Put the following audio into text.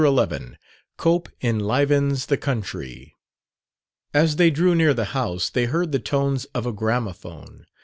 11 COPE ENLIVENS THE COUNTRY As they drew near the house they heard the tones of a gramophone.